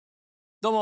どうも。